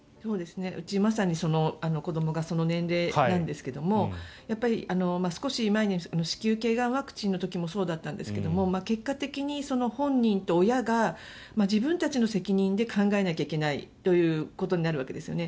うちはまさに子どもがその年齢なんですがやっぱり少し前に子宮頸がんワクチンの時もそうだったんですけども結果的に本人と親が自分たちの責任で考えなきゃいけないということになるわけですね。